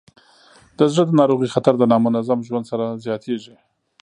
د زړه ناروغیو خطر د نامنظم ژوند سره زیاتېږي.